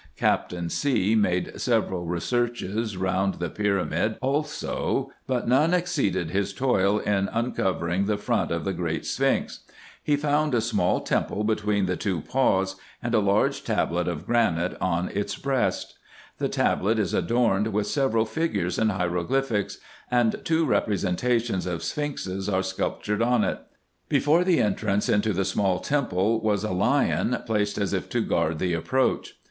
Captain C. made several researches round the pyramids also, but none exceeded his toil in uncovering the front of the great sphinx. He found a small temple between the two paws, and a large tablet 138 RESEARCHES AND OPERATIONS of granite on its breast. The tablet is adorned with several figures and hieroglyphics, and two representations of sphinxes are sculp tured on it. Before the entrance into the small temple was a lion. placed as if to guard the approach.